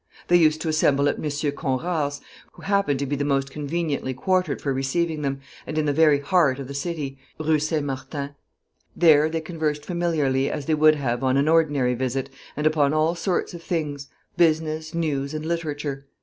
They used to assemble at M. Conrart's, who happened to be most conveniently quartered for receiving them, and in the very heart of the city (Rue St. Martin). There they conversed familiarly as they would have on an ordinary visit, and upon all sorts of things, business, news, and literature.